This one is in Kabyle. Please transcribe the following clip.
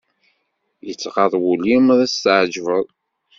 Yettɣaḍ wul-im ad t-ɛeggbeḍ.